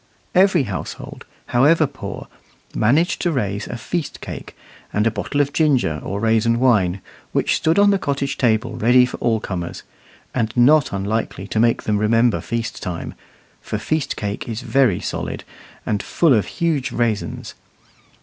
Every household, however poor, managed to raise a "feast cake" and a bottle of ginger or raisin wine, which stood on the cottage table ready for all comers, and not unlikely to make them remember feast time, for feast cake is very solid, and full of huge raisins.